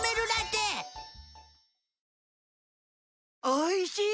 おいしい！